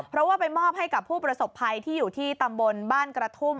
เพราะว่าไปมอบให้กับผู้ประสบภัยที่อยู่ที่ตำบลบ้านกระทุ่ม